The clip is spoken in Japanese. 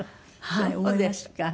そうですか。